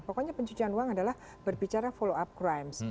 pokoknya pencucian uang adalah berbicara follow up crime